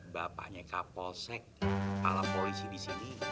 bapaknya kapolsek kepala polisi disini